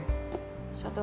satu menit lagi